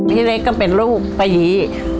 เล็กก็เป็นลูกป้ายี